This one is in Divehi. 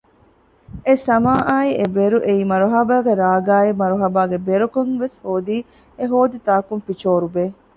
އެސަމާއާއި އެބެރު އެއީ މަރުހަބާގެ ރާގާއި މަރުހަބާގެ ބެރުކަން ވެސް ހޯދީ އެހޯދި ތާކުން ޕިޗޯރުބޭ